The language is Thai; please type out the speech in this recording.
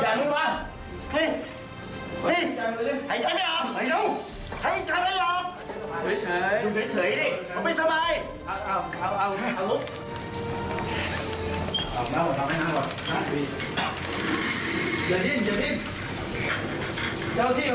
เจ้าที่เอาตัวตามน้ำหลายอย่าดิ้น